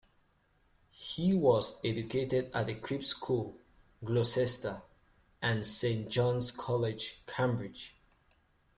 He was educated at The Crypt School, Gloucester, and Saint John's College, Cambridge.